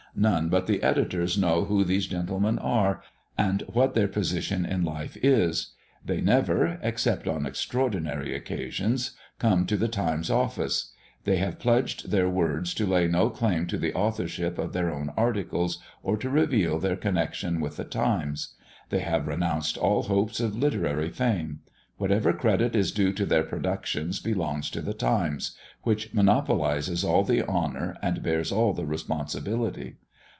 None but the editors know who these gentlemen are, and what their position in life is. They never, except on extraordinary occasions, come to the Times office. They have pledged their words to lay no claim to the authorship of their own articles, or to reveal their connection with the Times. They have renounced all hopes of literary fame; whatever credit is due to their productions belongs to the Times, which monopolises all the honor, and bears all the responsibility.